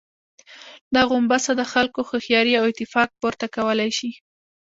دا غومبسه د خلکو هوښياري او اتفاق، پورته کولای شي.